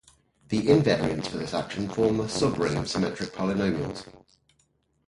The invariants for this action form the subring of symmetric polynomials.